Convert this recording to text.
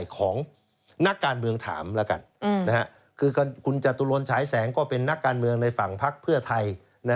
ของนักการเมืองถามแล้วกันคือคุณจตุรนฉายแสงก็เป็นนักการเมืองในฝั่งพักเพื่อไทย